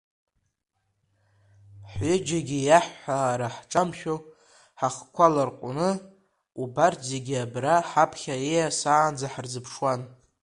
Ҳҩыџьагьы, иаҳҳәара ҳҿамшәо, ҳахқәа ларҟәыны, убарҭ зегьы абра, ҳаԥхьа ииасаанӡа ҳарзыԥшуан.